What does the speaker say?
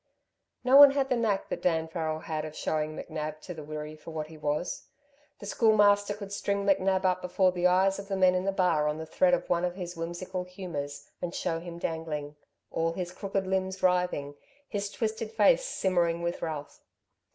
No one had the knack that Dan Farrel had of showing McNab to the Wirree for what he was. The Schoolmaster could string McNab up before the eyes of the men in the bar on the thread of one of his whimsical humours and show him dangling, all his crooked limbs writhing, his twisted face simmering with wrath.